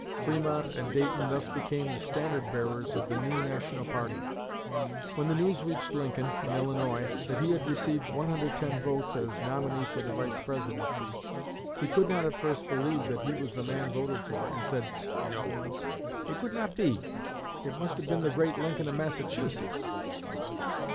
Fremont and Dayton thus became the standard bearers of the new national party. When the news reached Lincoln, in Illinois, that he had received 110 votes as nominee for the Vice presidency, he could not at first believe that he was the man voted for, and said, "No, it could not be; it must have been the great Lincoln of Massachusetts!"